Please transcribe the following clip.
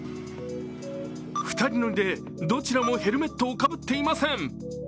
２人乗りでどちらもヘルメットをかぶっていません。